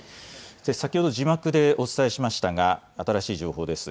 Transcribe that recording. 先ほど字幕でお伝えしましたが新しい情報です。